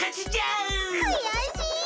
くやしい！